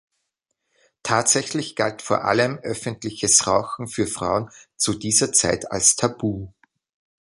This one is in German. Tatsächlich galt vor allem öffentliches Rauchen für Frauen zu dieser Zeit als Tabu.